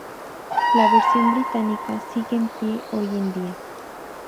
La versión británica sigue en pie hoy en día.